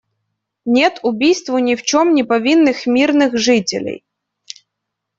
Нет убийству ни в чем не повинных мирных жителей.